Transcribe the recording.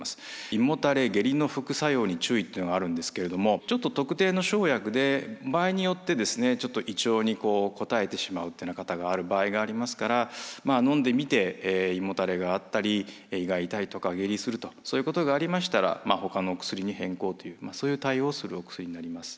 胃もたれ・下痢の副作用に注意というのがあるんですけれどもちょっと特定の生薬で場合によってちょっと胃腸にこたえてしまうという方がある場合がありますからのんでみて胃もたれがあったり胃が痛いとか下痢するとそういうことがありましたらほかのお薬に変更というそういう対応をするお薬になります。